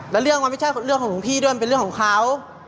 แล้วเรื่องมันไม่ใช่เรื่องของหลวงพี่ด้วยมันเป็นเรื่องของเขา